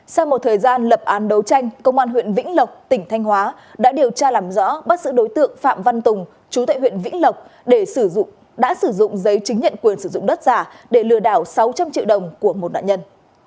sau một thời gian lập án đấu tranh công an huyện vĩnh lộc tỉnh thanh hóa đã điều tra làm rõ bắt giữ đối tượng phạm văn tùng chú tại huyện vĩnh lộc đã sử dụng giấy chứng nhận quyền sử dụng đất giả để lừa đảo sáu trăm linh triệu đồng của một nạn nhân